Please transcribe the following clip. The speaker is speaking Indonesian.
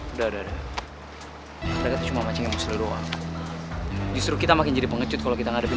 udah udah cuma masih seluruh justru kita makin jadi pengecut kalau kita ngarepin